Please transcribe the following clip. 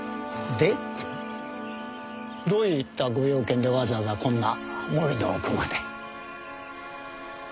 でどういったご用件でわざわざこんな森の奥まで？